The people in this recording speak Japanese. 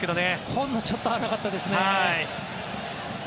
ほんのちょっと合わなかったですね。